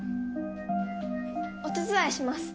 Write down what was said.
お手伝いします！